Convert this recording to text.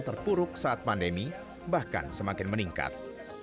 terpuruk saat pandemi bahkan semakin meningkat